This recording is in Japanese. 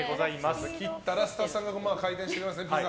ピザは切ったらスタッフさんが回転してくれます。